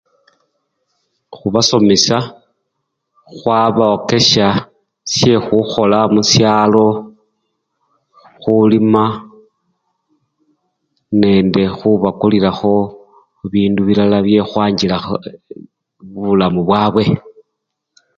Khubasomesya khwabokesya syekhukhola musyalo nende khubakulilakho bibindu bilala byekhu khwanjilakho bulamu bwabwe.